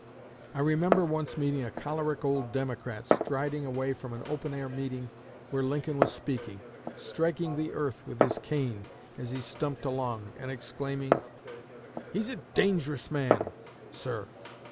I remember once meeting a choleric old Democrat striding away from an open air meeting where Lincoln was speaking, striking the earth with his cane as he stumped along, and exclaiming, 'He's a dangerous man, sir!